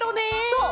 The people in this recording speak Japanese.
そう！